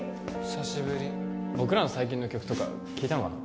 久しぶり僕らの最近の曲とか聴いたのかな